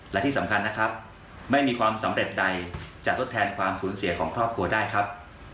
และที่สำคัญนะครับไม่มีความสำเร็จใดจะทดแทนความสูญเสียของครอบครัวได้ครับ